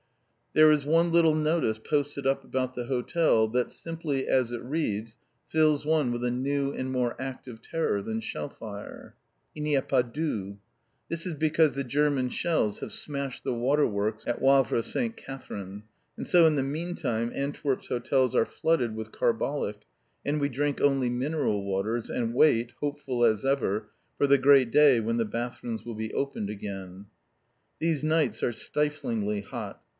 There is one little notice pasted up about the hotel that, simply as it reads, fills one with a new and more active terror than shell fire: "Il n'y a pas d'eau!" This is because the German shells have smashed the Waterworks at Wavre S. Catherine. And so, in the meantime, Antwerp's hotels are flooded with carbolic, and we drink only mineral waters, and wait (hopeful as ever) for the great day when the bathrooms will be opened again. These nights are stiflingly hot.